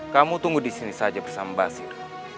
kamu tunggu disini saja bersama basir